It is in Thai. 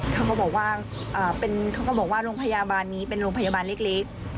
เขาก็บอกว่าโรงพยาบาลนี้เป็นโรงพยาบาลเล็ก